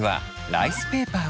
ライスペーパー！？